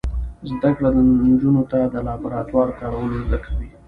زده کړه نجونو ته د لابراتوار کارول ور زده کوي.